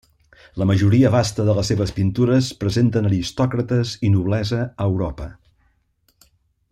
La majoria vasta de les seves pintures presenten aristòcrates i noblesa a Europa.